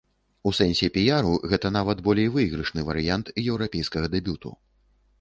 У сэнсе піяру гэта нават болей выйгрышны варыянт еўрапейскага дэбюту.